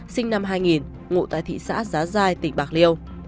sinh năm hai nghìn ngụ tại thị xã giá giai tỉnh bạc liêu